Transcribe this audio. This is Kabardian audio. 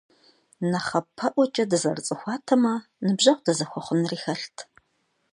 НэхъапэӀуэкӀэ дызэрыцӀыхуатэмэ, ныбжьэгъу дызэхуэхъунри хэлът.